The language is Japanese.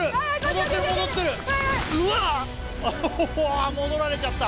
あ戻られちゃった